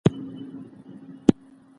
د اسلامي احکامو اړوند استفهام کفر ندی.